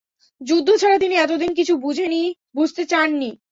যুদ্ধ ছাড়া তিনি এতদিন কিছু বুঝেন নি, বুঝতে চাননি।